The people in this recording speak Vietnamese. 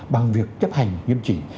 bằng việc chấp hành nghiêm trình